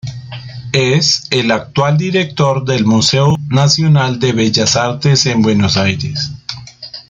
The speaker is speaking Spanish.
Es el actual director del Museo Nacional de Bellas Artes en Buenos Aires.